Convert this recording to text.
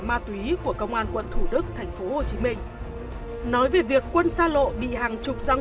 ma túy của công an quận thủ đức thành phố hồ chí minh nói về việc quân sa lộ bị hàng chục giang